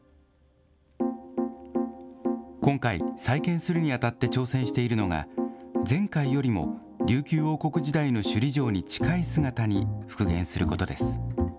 今回、再建するにあたって挑戦しているのが、前回よりも琉球王国時代の首里城に近い姿に復元することです。